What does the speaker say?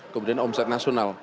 kemudian omset nasional